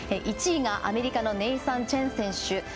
１位がアメリカのネイサン・チェン選手。